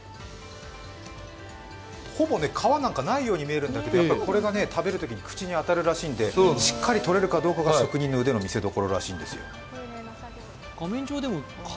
ほぼ皮なんてないように見えるんだけど食べるときに口に当たるそうでしっかり取れるかどうかが職人の腕の見せどころなんだそうです。